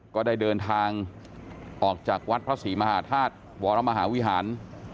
ก็ได้เดินทางออกจากวัดพระศรีมหาธาตุวรมหาวิหาร